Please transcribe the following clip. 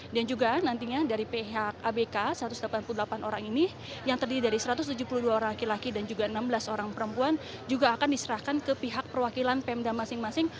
dan juga nantinya dari pihak abk satu ratus delapan puluh delapan orang ini yang terdiri dari satu ratus tujuh puluh dua orang laki laki dan juga enam belas orang perempuan juga akan diserahkan ke pihak perwakilan pmd masing masing